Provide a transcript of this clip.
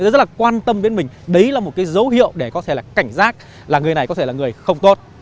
rất là quan tâm đến mình đấy là một cái dấu hiệu để có thể là cảnh giác là người này có thể là người không tốt